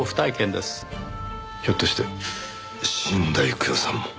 ひょっとして死んだ幾代さんも。